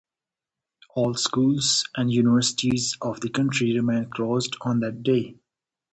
All schools and universities of the country remain closed on that day.